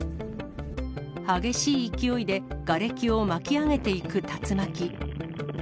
激しい勢いでがれきを巻き上げていく竜巻。